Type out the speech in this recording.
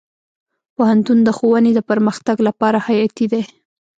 پوهنتون د ښوونې د پرمختګ لپاره حیاتي دی.